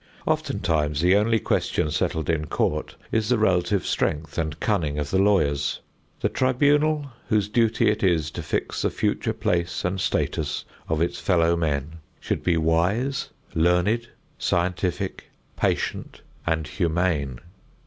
Oftentimes the only question settled in court is the relative strength and cunning of the lawyers. The tribunal whose duty it is to fix the future place and status of its fellowmen should be wise, learned, scientific, patient and humane.